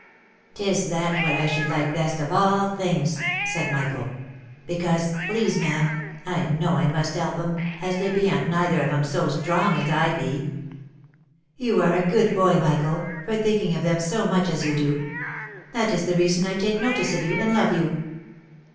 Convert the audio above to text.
" Tis that what I should like best of all things," said Michael. " Because, please ma'am, I know I must help 'em, as they beant neither of 'em so strong as I be." " You are a good boy, Michael, for thinking of them so much as you do. That is the reason I take notice of you, and love you."